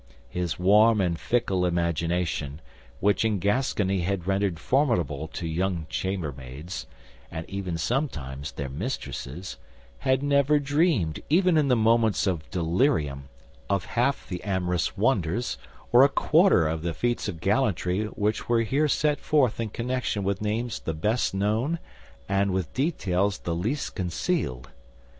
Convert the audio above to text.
His warm and fickle imagination, which in Gascony had rendered him formidable to young chambermaids, and even sometimes their mistresses, had never dreamed, even in moments of delirium, of half the amorous wonders or a quarter of the feats of gallantry which were here set forth in connection with names the best known and with details the least concealed.